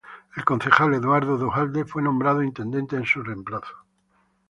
El concejal Eduardo Duhalde fue nombrado intendente en su reemplazo.